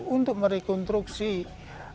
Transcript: untuk merekonstruksi kehidupan masa lalu